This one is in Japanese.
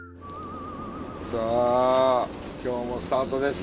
さあ今日もスタートです。